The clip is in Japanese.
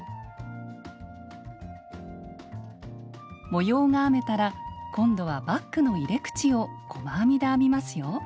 模様が編めたら今度はバッグの入れ口を細編みで編みますよ。